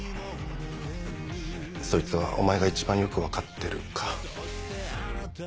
そいつはお前が一番よく分かってるか。